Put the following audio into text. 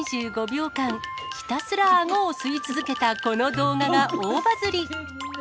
２５秒間、ひたすらあごを吸い続けたこの動画が大バズり。